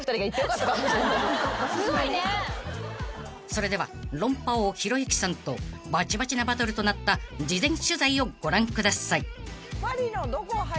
［それでは論破王ひろゆきさんとバチバチなバトルとなった事前取材をご覧ください］